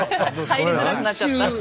入りづらくなっちゃった。